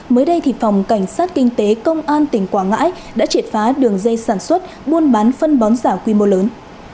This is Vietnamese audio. mới đây thì phòng cảnh sát kinh tế công an tỉnh quảng ngãi đã triệt phá đường dây sản xuất buôn bán phân bón giả quy mô lớn